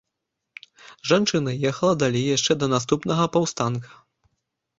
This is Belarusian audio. Жанчына ехала далей яшчэ да наступнага паўстанка.